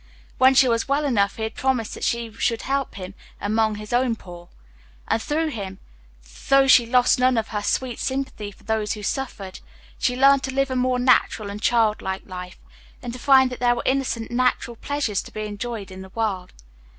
When she was well enough, he had promised that she should help him among his own poor. And through him though she lost none of her sweet sympathy for those who suffered she learned to live a more natural and child like life, and to find that there were innocent, natural pleasures to be enjoyed in the world.